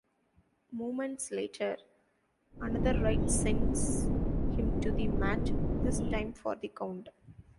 Moments later, another right sends him to the mat, this time for the count.